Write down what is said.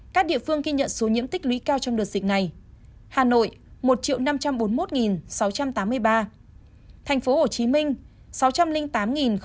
các địa phương ghi nhận số nhiễm tích lũy cao trong đợt dịch này